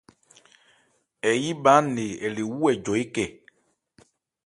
Hɛ yí bhá nne ɛ̀ le wú hɛ̀ jɔ ékɛ.